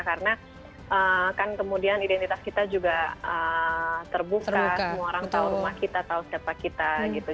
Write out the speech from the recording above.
karena kan kemudian identitas kita juga terbuka semua orang tahu rumah kita tahu siapa kita gitu